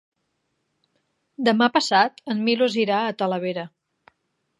Demà passat en Milos irà a Talavera.